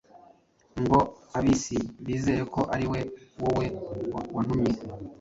ngo ab’isi bizere ko ari wowe wantumye.